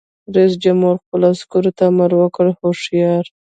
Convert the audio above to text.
رئیس جمهور خپلو عسکرو ته امر وکړ؛ هوښیار!